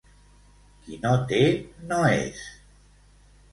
Qui no té, no és.